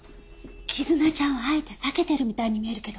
絆ちゃんをあえて避けてるみたいに見えるけど。